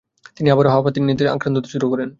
তিনি আবারও হাঁপানিতে আক্রান্ত হতে শুরু করেন।